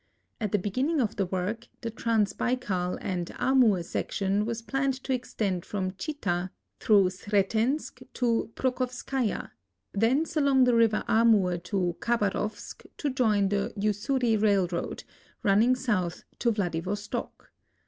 At the beginning of the work the Trans Baikal and Amur section was i)lanned to extend from Chita, through Sretensk, to Pokrovskaia; thence aK)ng the river Amur to Khabarovsk to join the Ussuri railroad, running south to Vladivostok.